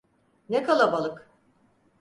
Ne kalabalık!